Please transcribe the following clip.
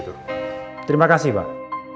terima kasih pak